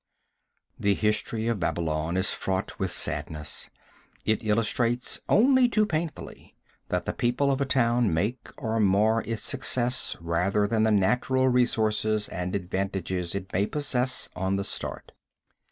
The history of Babylon is fraught with sadness. It illustrates, only too painfully, that the people of a town make or mar its success rather than the natural resources and advantages it may possess on the start.